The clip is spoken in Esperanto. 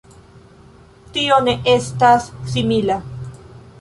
Tio ne estas simila.